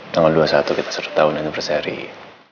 tanggal dua puluh satu kita satu tahun anniversary